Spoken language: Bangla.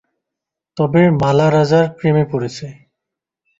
তবে মালা রাজার প্রেমে পড়েছে।